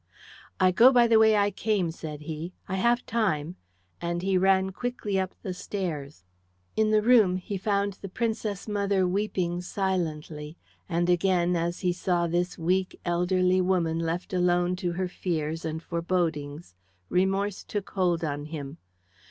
"I go by the way I came," said he; "I have time;" and he ran quickly up the stairs. In the room he found the Princess mother weeping silently, and again, as he saw this weak elderly woman left alone to her fears and forebodings, remorse took hold on him.